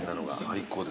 最高です。